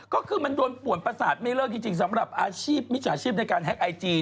ก็คือมันโดนป่วนประสาทไม่เลิกจริงสำหรับอาชีพมิจฉาชีพในการแฮ็กไอจี